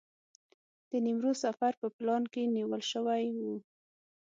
د نیمروز سفر په پلان کې نیول شوی و.